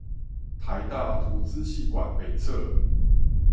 臺大圖資系館北側